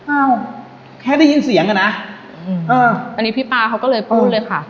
อ้าวแค่ได้ยินเสียงอ่ะนะเอออันนี้พี่ป๊าเขาก็เลยพูดเลยค่ะ